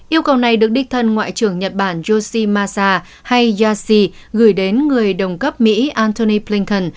yêu cầu này được đích thân ngoại trưởng nhật bản yoshimasa hayashi gửi đến người đồng cấp mỹ anthony blinken